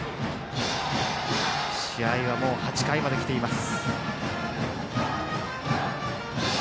試合はもう８回まで来ています。